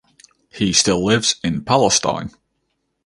He still lives in Palestine.